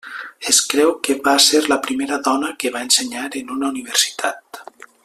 Es creu que va ser la primera dona que va ensenyar en una universitat.